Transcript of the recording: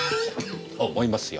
思いますよ。